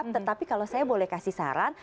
tetapi kalau saya boleh kasih saran